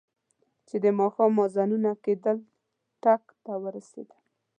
چې د ماښام اذانونه کېدل ټک ته ورسېدم.